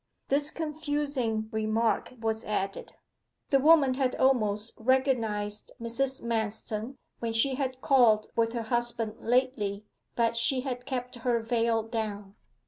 This confusing remark was added. The woman had almost recognized Mrs. Manston when she had called with her husband lately, but she had kept her veil down.